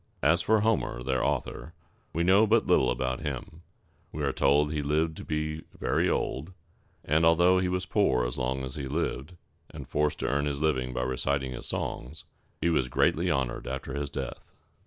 As for Homer, their author, we know but little about him. We are told that he lived to be very old, and that although he was poor as long as he lived, and forced to earn his living by reciting his songs, he was greatly honored after his death.